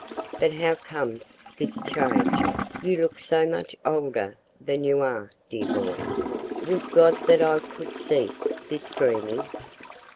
"But how comes this change? You look so much older than you are, dear boy. Would God that I could cease this dreaming!"